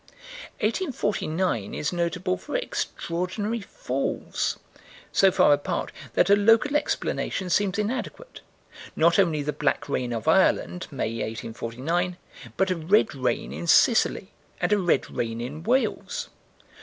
1849 is notable for extraordinary falls, so far apart that a local explanation seems inadequate not only the black rain of Ireland, May, 1849, but a red rain in Sicily and a red rain in Wales.